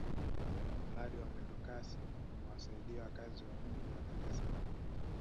mradi wa mwendokasi umewasaidia wakazi wa mji wa dar es salaam